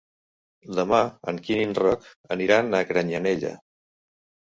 Demà en Quim i en Roc aniran a Granyanella.